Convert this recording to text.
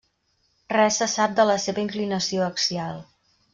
Res se sap de la seva inclinació axial.